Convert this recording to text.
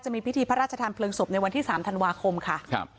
มีพิธีพระราชทานเพลิงศพในวันที่๓ธันวาคมค่ะครับ